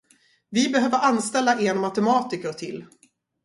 Vi behöver anställa en matematiker till.